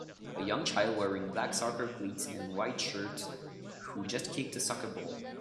A young child wearing black soccer cleats and white shirt who just kicked a soccer ball